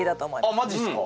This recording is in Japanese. あっマジっすか？